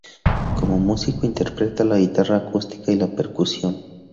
Como músico interpreta la guitarra acústica y la percusión.